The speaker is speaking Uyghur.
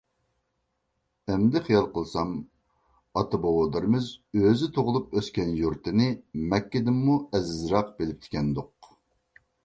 ئەمدى خىيال قىلسام، ئاتا-بوۋىلىرىمىز ئۆزى تۇغۇلۇپ ئۆسكەن يۇرتىنى مەككىدىنمۇ ئەزىزراق بىلىپتىكەندۇق.